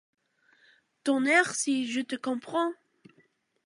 Tonnerre si je te comprends!